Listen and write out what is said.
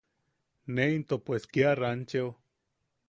Ne into pues kia rancheo.